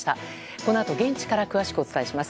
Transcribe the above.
このあと現地から詳しくお伝えします。